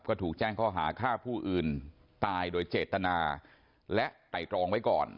ก็ถูกแจ้ง